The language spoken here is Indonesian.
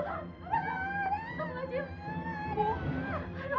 kamu belum itu kamu